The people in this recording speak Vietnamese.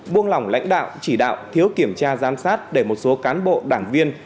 buông lỏng lãnh đạo chỉ đạo thiếu kiểm tra giám sát để một số cán bộ đảng viên